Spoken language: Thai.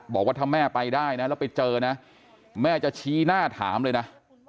บอกว่าถ้าแม่ไปได้นะแล้วไปเจอนะแม่จะชี้หน้าถามเลยนะ